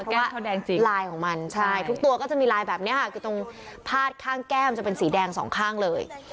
ลายของมันใช่ทุกตัวก็จะมีลายแบบนี้ค่ะคือตรงพาดข้างแก้มจะเป็นสีแดงสองข้างเลย